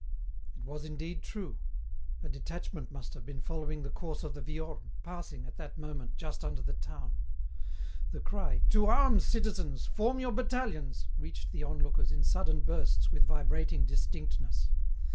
It was indeed true. A detachment must have been following the course of the Viorne, passing, at that moment, just under the town. The cry, "To arms, citizens! Form your battalions!" reached the on lookers in sudden bursts with vibrating distinctness.